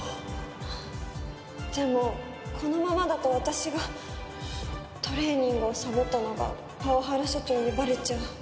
でもこのままだと私がトレーニングをさぼったのがパワハラ社長にバレちゃう。